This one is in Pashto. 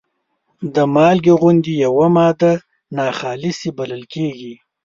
د مالګې غوندې یوه ماده ناخالصې بلل کیږي.